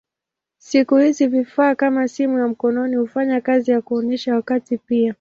Siku hizi vifaa kama simu ya mkononi hufanya kazi ya kuonyesha wakati pia.